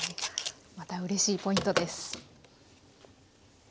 またうれしいポイントです。